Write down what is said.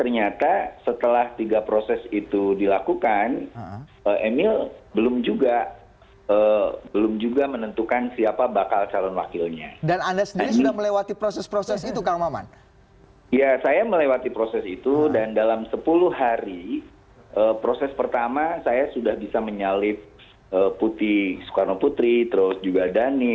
nah dari tiga cara itu sebenarnya emil sudah harus mencari penyelesaian